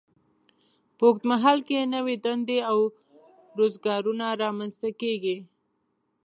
په اوږد مهال کې نوې دندې او روزګارونه رامینځته کیږي.